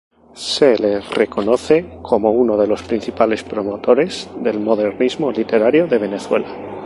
Se le reconoce como uno de los principales promotores del modernismo literario de Venezuela.